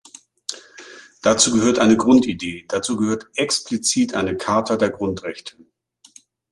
Dazu gehört eine Grundidee, dazu gehört explizit eine Charta der Grundrechte.